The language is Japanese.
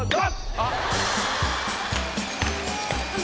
あっ。